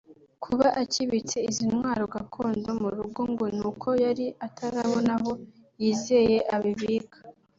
Kuba akibitse izi ntwaro gakondo mu rugo ngo ni uko yari atarabona aho yizeye abibika